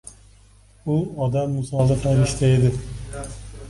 U odam misoli farishta edi.